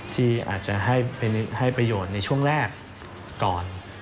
ที่อาจจะให้ประโยชน์ในช่วงแรกก่อน